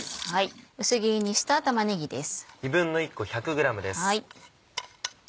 薄切りにした玉ねぎです。